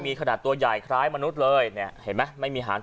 มีขนาดตัวใหญ่คล้ายมนุษย์เลยเนี่ยเห็นไหมไม่มีหาง